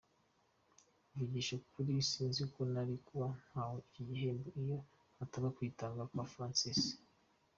Mvugishe ukuri sinzi ko nari kuba mpawe iki gihembo iyo hataba kwitanga kwa Francis”.